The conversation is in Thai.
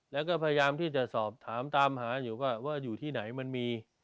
แล้วก็พยายามที่จะสอบถามตามหาอยู่ว่าอยู่ที่ไหนมันมี